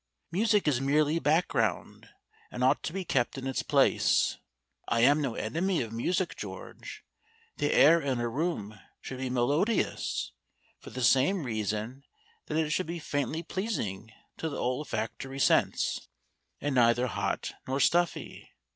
Music is merely background, and ought to be kept in its place. I am no enemy of music, George. The air in a room should be melodious, for the same reason that it should be faintly pleasing to the olfactory sense, and neither hot nor stuffy.